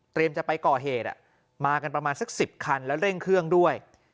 จะไปก่อเหตุมากันประมาณสัก๑๐คันแล้วเร่งเครื่องด้วย